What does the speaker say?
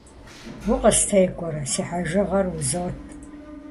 УкъыстекӀуэрэ, - си хьэжыгъэр узот.